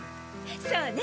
そうね。